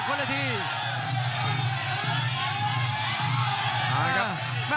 คมทุกลูกจริงครับโอ้โห